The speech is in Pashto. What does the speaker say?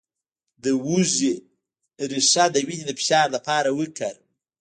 د هوږې ریښه د وینې د فشار لپاره وکاروئ